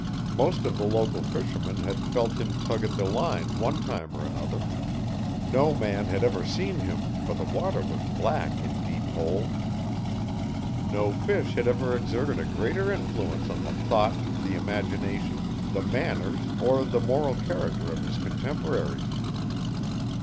Most of the local fishermen had felt him tug at the line one time or another. No man had ever seen him for the water was black in Deep Hole. No fish had ever exerted a greater influence on the thought, the imagination, the manners or the moral character of his contemporaries.